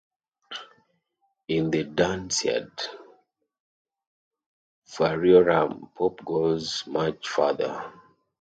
In the "Dunciad Variorum", Pope goes much farther.